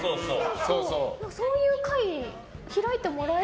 そういう会、開いてもらえ。